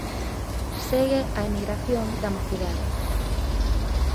Segue a emigración da mocidade.